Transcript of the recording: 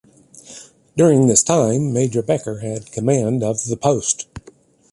During this time Major Becker had command of the post.